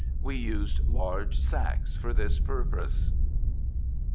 We used large sacks for this purpose.